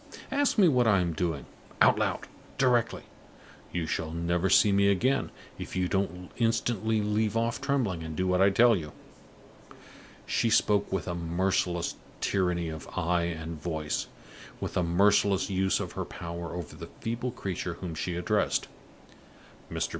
Ask me what I am doing. Out loud! Directly! You shall never see me again, if you don't instantly leave off trembling and do what I tell you!" She spoke with a merciless tyranny of eye and voice with a merciless use of her power over the feeble creature whom she addressed. Mr.